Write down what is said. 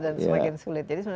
dan semakin sulit